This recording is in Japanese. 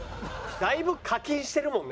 だいぶ課金してるもんね。